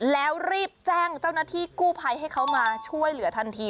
แล้วรีบแจ้งเจ้าหน้าที่กู้ภัยให้เขามาช่วยเหลือทันที